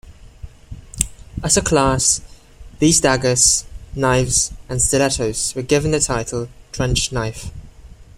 As a class, these daggers, knives, and stilettos were given the title trench knife.